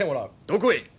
どこへ？